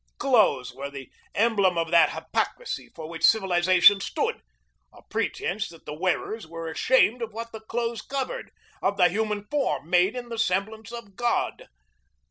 Clothes were the emblems of that hypocrisy for which civilization stood a pretense that the wearers were ashamed of what the clothes covered, of the human form made in the semblance of God.